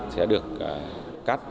sẽ được cắt